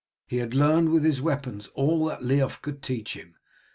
He had learned with his weapons all that Leof could teach him.